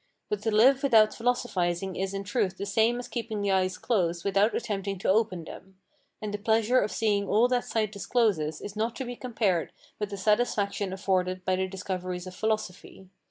But to live without philosophizing is in truth the same as keeping the eyes closed without attempting to open them; and the pleasure of seeing all that sight discloses is not to be compared with the satisfaction afforded by the discoveries of philosophy.